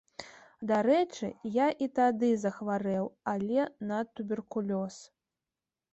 Дарэчы, я і тады захварэў, але на туберкулёз.